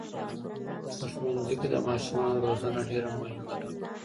په ښوونځي کې د ماشومانو روزنه ډېره مهمه ده.